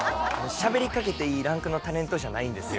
しゃべりかけていいランクのタレントじゃないんですよ。